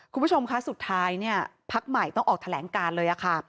คุณผู้ชมคะสุดท้ายเนี่ยพักใหม่ต้องออกแถลงการเลยค่ะ